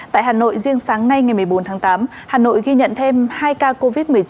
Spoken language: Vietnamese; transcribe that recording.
tại hà nội riêng sáng nay ngày một mươi bốn tháng tám hà nội ghi nhận thêm hai ca covid một mươi chín